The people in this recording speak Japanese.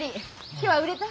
今日は売れた？